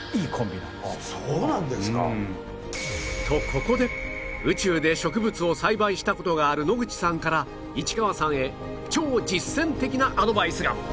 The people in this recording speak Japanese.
とここで宇宙で植物を栽培した事がある野口さんから市川さんへ超実践的なアドバイスが